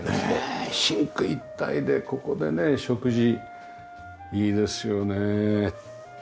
ねえシンク一体でここでね食事いいですよね。